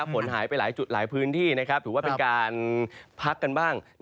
ฝนหายไปหลายจุดหลายพื้นที่ถือว่าเป็นการพักกันบ้าง